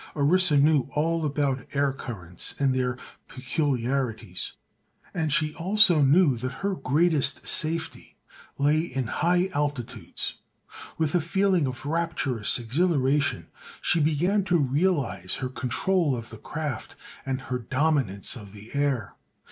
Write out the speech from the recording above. Orissa knew all about air currents and their peculiarities and she also knew that her greatest safety lay in high altitudes. With a feeling of rapturous exhilaration she began to realize her control of the craft and her dominance of the air.